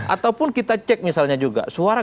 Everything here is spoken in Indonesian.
ataupun kita cek misalnya juga suara